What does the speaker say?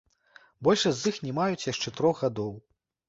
Большасць з іх не маюць яшчэ трох гадоў.